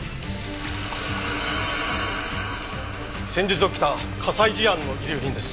先日起きた火災事案の遺留品です。